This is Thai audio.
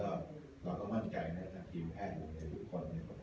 แล้วก็เราก็มั่นใจไม่ละครับทีมแพทย์ผมในทุกคน